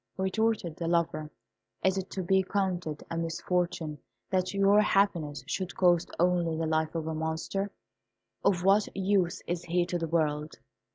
retorted the lover; "is it to be counted a misfortune that your happiness should cost only the life of a monster? Of what use is he to the world?